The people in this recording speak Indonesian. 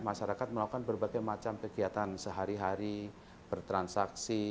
masyarakat melakukan berbagai macam kegiatan sehari hari bertransaksi